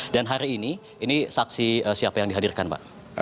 dan hari ini ini saksi siapa yang dihadirkan pak